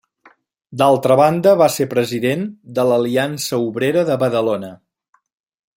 D'altra banda, va president de l'Aliança Obrera de Badalona.